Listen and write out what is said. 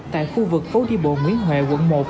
tại khu vực phố đi bộ nguyễn huệ quận một